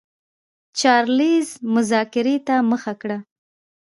چارلېز مذاکرې ته مخه کړه.